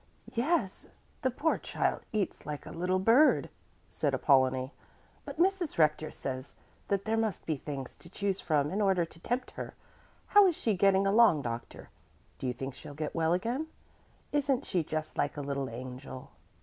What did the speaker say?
"Yes, the poor child eats like a little bird," said Apollonie; "but Mrs. Rector says that there must be things to choose from in order to tempt her. How is she getting along, doctor? Do you think she'll get well again? Isn't she just like a little angel?"